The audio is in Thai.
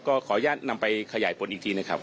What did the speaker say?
ขออนุญาตนำไปขยายผลอีกทีนะครับ